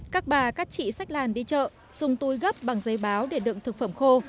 các bà các chị sách làn đi chợ dùng túi gấp bằng giấy báo để đựng thực phẩm khô